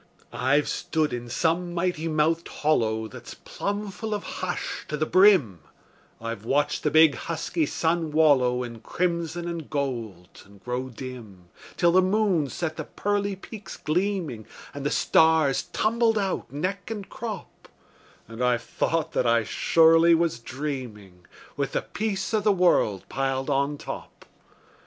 I've stood in some mighty mouthed hollow That's plumb full of hush to the brim; I've watched the big, husky sun wallow In crimson and gold, and grow dim, Till the moon set the pearly peaks gleaming, And the stars tumbled out, neck and crop; And I've thought that I surely was dreaming, With the peace o' the world piled on top.